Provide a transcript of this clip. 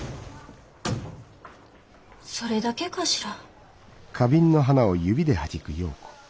それだけかしら。